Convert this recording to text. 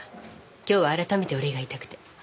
今日は改めてお礼が言いたくて。